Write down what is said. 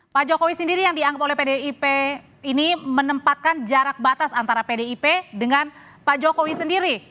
pak jokowi sendiri yang dianggap oleh pdip ini menempatkan jarak batas antara pdip dengan pak jokowi sendiri